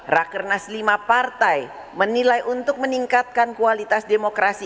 dua raker naslimah partai menilai untuk meningkatkan kualitas demokrasi